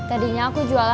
aku mau ke sana